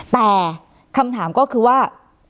แต่คำถามก็คือว่า